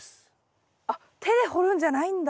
あっ手で掘るんじゃないんだ。